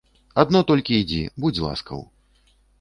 Адно толькі ідзі, будзь ласкаў.